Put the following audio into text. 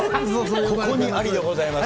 ここにありでございます。